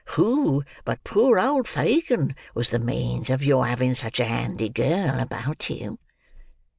Who but poor ould Fagin was the means of your having such a handy girl about you?"